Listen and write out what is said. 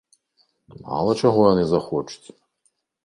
Мала чаго яны захочуць!